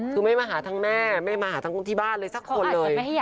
คือไม่มาหาทั้งแม่ไม่มาหาทั้งที่บ้านเลยสักคนเลย